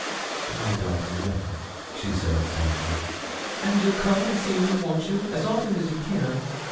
'No, darling, never,' she said, sadly. 'And you'll come and see me, won't you, as often as you can?'